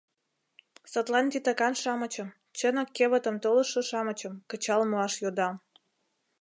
Садлан титакан-шамычым, чынак кевытым толышо-шамычым, кычал муаш йодам.